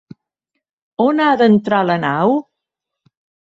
On ha d'entrar la nau?